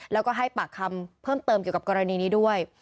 แล้วก็ให้ปากคำเพิ่มเติมเกี่ยวกับกรณีนี้ด้วย